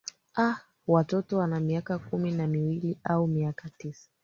aah watoto wa miaka kumi na miwili au miaka tisa